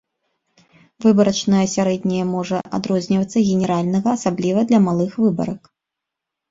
Выбарачнае сярэдняе можа адрознівацца генеральнага, асабліва для малых выбарак.